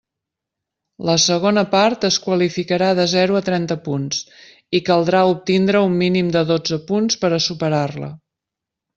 La segona part es qualificarà de zero a trenta punts i caldrà obtindre un mínim de dotze punts per a superar-la.